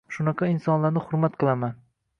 Shunaqa insonlarni hurmat qilaman.